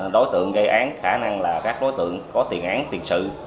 đối tượng gây án khả năng là các đối tượng có tiền án tiền sự